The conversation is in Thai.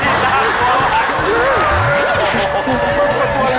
น่ากลัวมาก